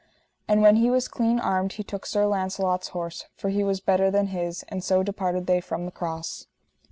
And when he was clean armed he took Sir Launcelot's horse, for he was better than his; and so departed they from the cross.